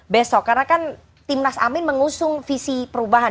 besok karena kan tim nas amin mengusung visi perubahan